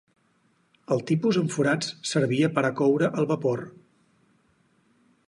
El tipus amb forats servia per a coure al vapor.